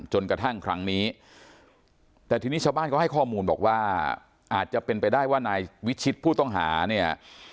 จนกระทั่งครั้งนี้แต่ทีนี้ชาวบ้านเขาให้ข้อมูลบอกว่าอาจจะเป็นไปได้ว่านายวิชิตผู้ต้องหาเนี่ย